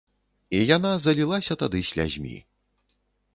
І яна залілася тады слязьмі.